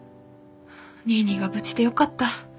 ニーニーが無事でよかった。